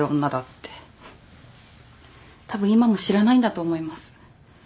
たぶん今も知らないんだと思います。